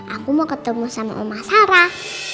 aku mau ketemu sama omah sarah